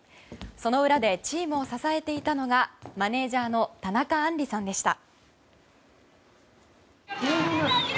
その裏でチームを支えていたのがマネジャーの田中杏璃さんでした。